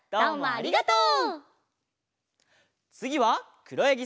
ありがとう。